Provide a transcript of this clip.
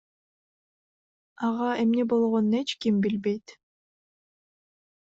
Ага эмне болгонун эч ким билбейт.